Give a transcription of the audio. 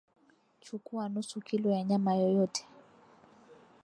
Chukua nusu kilo ya nyama yoyote